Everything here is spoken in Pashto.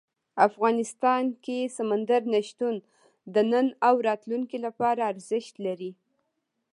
افغانستان کې سمندر نه شتون د نن او راتلونکي لپاره ارزښت لري.